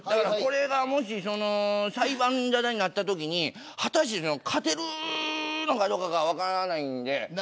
これが、もし裁判ざたになったとき果たして勝てるのかどうかが分からないんで。